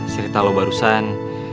cerita lo barusan